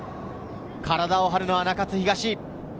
体を張るのは中津東。